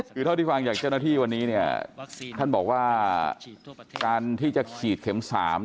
คือเท่าที่ฟังจากเจ้าหน้าที่วันนี้เนี่ยท่านบอกว่าการที่จะฉีดเข็ม๓